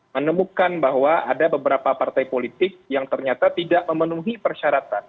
menemukan bahwa ada beberapa partai politik yang ternyata tidak memenuhi persyaratan